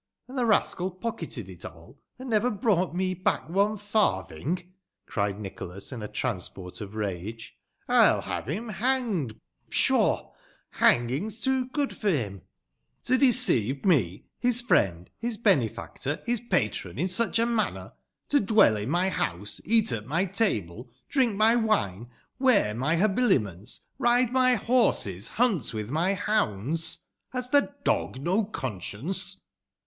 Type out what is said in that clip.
" And the rascal pocketed it all, and never brought me back otie farthing," cried Nicholas, in a transport of rage. " TU have Mm hanged* *ii6hair ! hanging^a too good for him. To deceive \ 460 THE LANCASHntE WITCHES. me» hie friend, his beuef actor, Iiis patron, in such a tnaimer ; to dwell in mj liotuse, eat at mj table, drüik mj wine, wear my habiliments, ride my horses, nnnt witb my hounds ! Has the dog no consdence